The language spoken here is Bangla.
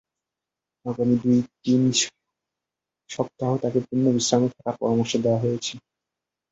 আগামী দুই থেকে তিন সপ্তাহ তাঁকে পূর্ণ বিশ্রামে থাকার পরামর্শ দেওয়া হয়েছে।